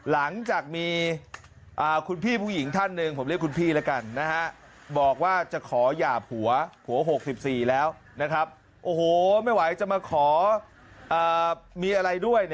แล้วทุกวันนี้เราอายุเท่าไหร่